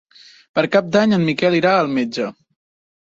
Per Cap d'Any en Miquel irà al metge.